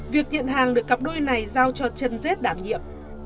việc nhận hàng được cặp đôi này giao cho chân dết đảm nhiệm